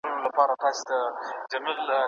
خواړه باید متنوع وي.